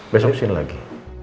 besok kesini lagi